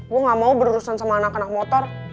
gue gak mau berurusan sama anak anak motor